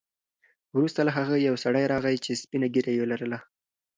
وروسته له هغه یو سړی راغی چې سپینه ږیره یې لرله.